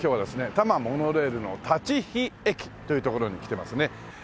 多摩モノレールの立飛駅という所に来てますね。